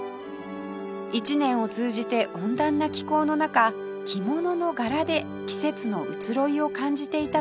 １年を通じて温暖な気候の中着物の柄で季節の移ろいを感じていたといわれています